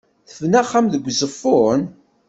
Tebna axxam deg Uzeffun?